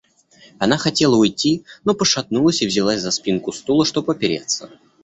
Она хотела уйти, но пошатнулась и взялась за спинку стула, чтоб опереться.